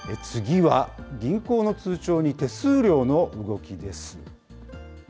次は、銀行の通帳に手数料の動きです。